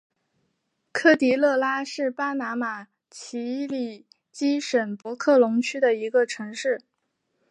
科迪勒拉是巴拿马奇里基省博克龙区的一个城市。